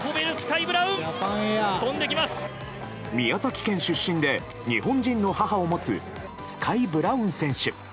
宮崎県出身で日本人の母を持つスカイ・ブラウン選手。